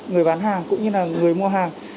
người bán hàng cũng như là người mua hàng